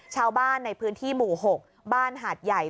ชาวบ้านในพื้นที่หมู่๖บ้านหาดใหญ่